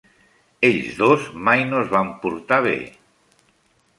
Ells dos mai no es van portar bé.